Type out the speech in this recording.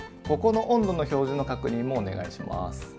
ここの温度の表示の確認もお願いします。